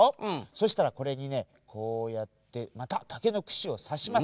そしたらこれにねこうやってまたたけのくしをさします。